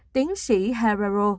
tiến sĩ herrero